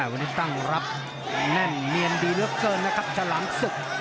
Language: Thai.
วันนี้ตั้งรับแน่นเนียนดีเหลือเกินนะครับฉลามศึก